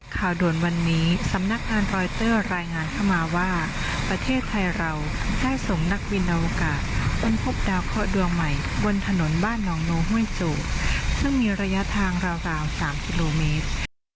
ข่าวด่วนวันนี้สำนักงานรอยเตอร์รายงานเข้ามาว่าประเทศไทยเราได้ส่งนักบินอวกาศค้นพบดาวเคาะดวงใหม่บนถนนบ้านหนองโนห้วยจูบซึ่งมีระยะทางราว๓กิโลเมตร